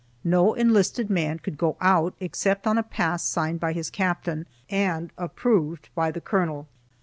No enlisted man could go out except on a pass signed by his captain, and approved by the colonel.